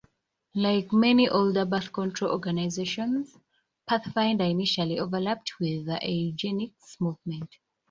Like many older birth control organizations, Pathfinder initially overlapped with the eugenics movement.